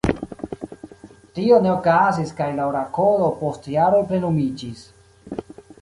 Tio ne okazis kaj la orakolo post jaroj plenumiĝis.